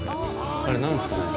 あれ何ですかね。